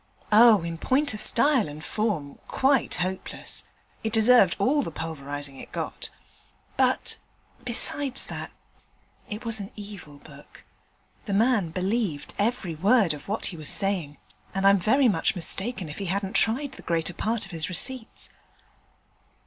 'Oh, in point of style and form, quite hopeless. It deserved all the pulverizing it got. But, besides that, it was an evil book. The man believed every word of what he was saying, and I'm very much mistaken if he hadn't tried the greater part of his receipts.'